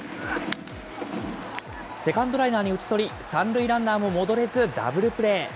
セカンドライナーに打ち取り、３塁ランナーも戻れず、ダブルプレー。